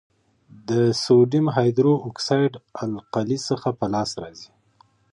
د سوډیم هایدرو اکسایډ القلي څخه په لاس راځي.